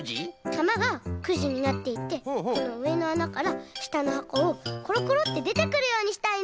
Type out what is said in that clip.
たまがくじになっていてこのうえのあなからしたのはこをコロコロってでてくるようにしたいの。